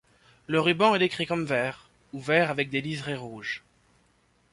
Le ruban est décrit comme vert, ou vert avec des lisérés rouges.